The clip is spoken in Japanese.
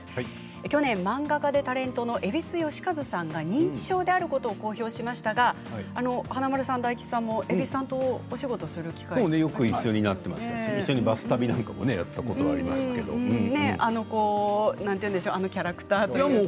去年、漫画家でタレントの蛭子能収さんが認知症であることを公表しましたが華丸さん大吉さんも蛭子さんとよく一緒になっていましたし一緒にバス旅などもあのキャラクターというか。